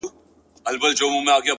• زه ومه ويده اكثر ـ